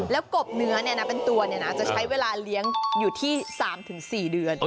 แล้วกบเนื้อเนี่ยนะเป็นตัวเนี่ยนะจะใช้เวลาเลี้ยงอยู่ที่๓๔เดือน